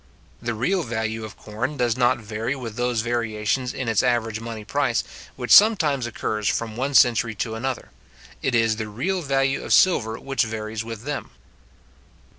The real value of corn does not vary with those variations in its average money price, which sometimes occur from one century to another; it is the real value of silver which varies with them.